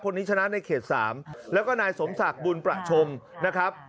คนนี้ชนะในเขต๓แล้วก็นายสมศักดิ์บุญประชมนะครับ